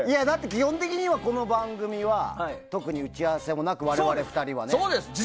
基本的にはこの番組は特に打ち合わせもなく我々、２人はね。